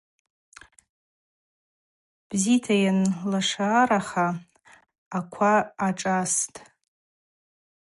Бзита йанлашараха аква ашӏасхтӏ.